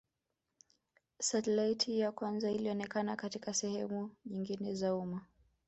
Setilaiti ya kwanza ilionekana katika sehemu nyingine za umma